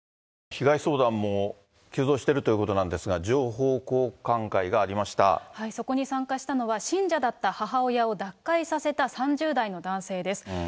被害相談も急増しているということなんですが、そこに参加したのは、信者だった母親を脱会させた３０代の男性です。